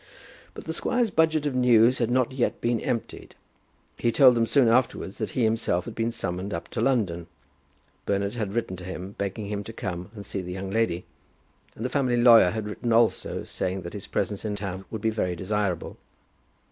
But the squire's budget of news had not yet been emptied. He told them soon afterwards that he himself had been summoned up to London. Bernard had written to him, begging him to come and see the young lady; and the family lawyer had written also, saying that his presence in town would be very desirable.